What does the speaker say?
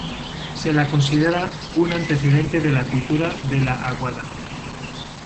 Se la considera un antecedente de la Cultura de la Aguada.